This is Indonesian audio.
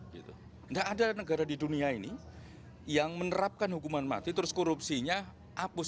tidak ada negara di dunia ini yang menerapkan hukuman mati terus korupsinya apus